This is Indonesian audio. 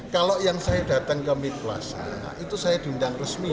kalau yang saya datang ke mit plaza itu saya diundang resmi